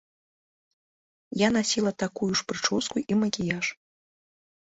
Я насіла такую ж прычоску і макіяж.